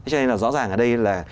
cho nên là rõ ràng ở đây là